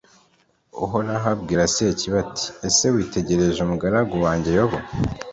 uhoraho abwira sekibi, ati ese witegereje umugaragu wanjye yobu